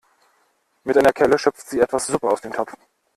Mit einer Kelle schöpft sie etwas Suppe aus dem Topf.